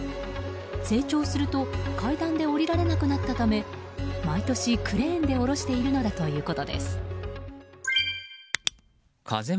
成長すると階段で下りられなくなったため毎年、クレーンで降ろしているのだということです。